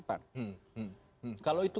pan kalau itu